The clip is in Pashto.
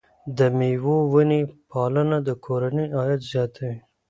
د مېوو ونې پالنه د کورنۍ عاید زیاتوي.